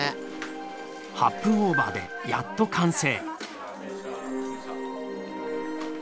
８分オーバーでやっと完成。